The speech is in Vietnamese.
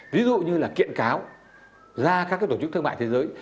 ví dụ như là kiện cáo ra các tổ chức thương mại thế giới